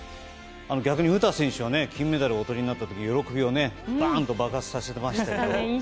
逆に詩選手は金メダルをおとりになった時喜びをバーンと爆発させてましたね。